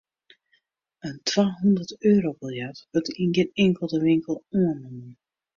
In twahûnderteurobiljet wurdt yn gjin inkelde winkel oannommen.